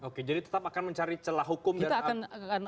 oke jadi tetap akan mencari celah hukum dan tetap berusaha begitu ya